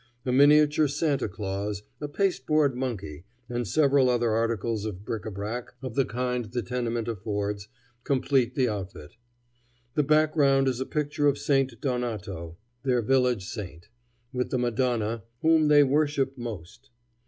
A miniature Santa Claus, a pasteboard monkey, and several other articles of bric à brac of the kind the tenement affords, complete the outfit. The background is a picture of St. Donato, their village saint, with the Madonna "whom they worship most."